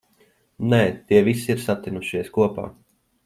Nē, tie visi ir satinušies kopā.